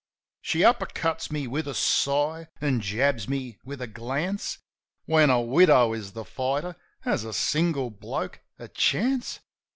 She uppercuts me with a sigh, an' jabs me with a glance. (When a widow is the fighter, has a single bloke a chance?)